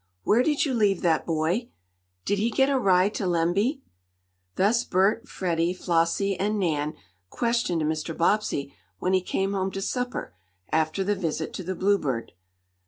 "Where did you leave that boy?" "Did he get a ride to Lemby?" "Thus Bert, Freddie, Flossie and Nan questioned Mr. Bobbsey when he came home to supper after the visit to the Bluebird.